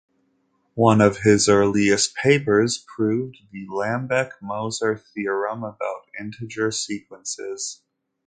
One of his earliest papers, proved the Lambek-Moser theorem about integer sequences.